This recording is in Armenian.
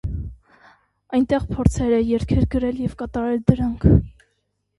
Այնտեղ փորձել է երգեր գրել և կատարել դրանք։